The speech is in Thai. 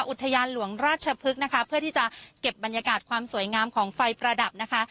อุทยานหลวงราชพฤกษ์นะคะเพื่อที่จะเก็บบรรยากาศความสวยงามของไฟประดับนะคะ